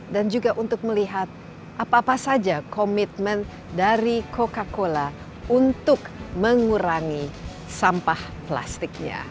dan juga untuk melihat apa apa saja komitmen dari coca cola untuk mengurangi sampah plastiknya